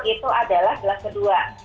itu adalah gelas kedua